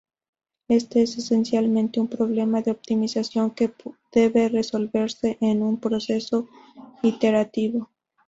Este es esencialmente un problema de optimización que debe resolverse en un proceso iterativo.